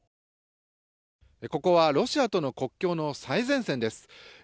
ここはロシアとの国境の最前線です。